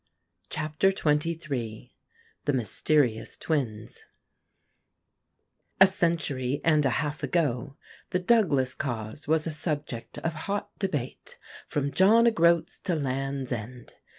CHAPTER XXIII THE MYSTERIOUS TWINS A century and a half ago the "Douglas cause" was a subject of hot debate from John o' Groats to Land's End.